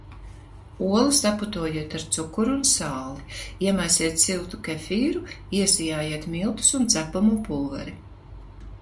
Olu saputojiet ar cukuru un sāli, iemaisiet siltu kefīru, iesijājiet miltus un cepamo pulveri.